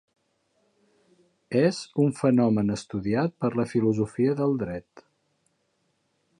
És un fenomen estudiat per la filosofia del dret.